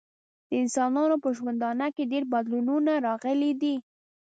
د انسانانو په ژوندانه کې ډیر بدلونونه راغلي دي.